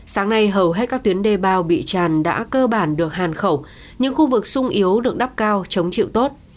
sáng nay hầu hết các tuyến đê bao bị tràn đã cơ bản được hàn khẩu những khu vực sung yếu được đắp cao chống chịu tốt